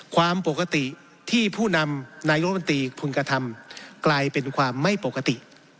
ความปกติที่ผู้นำนายกรมนตรีพึงกระทำกลายเป็นความไม่ปกติ